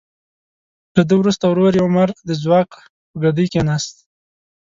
له ده وروسته ورور یې عمر د ځواک په ګدۍ کیناست.